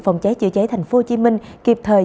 phòng cháy chữa cháy tp hcm kịp thời